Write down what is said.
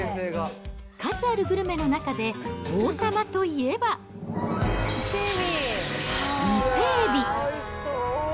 数あるグルメの中で王様といえば、伊勢海老。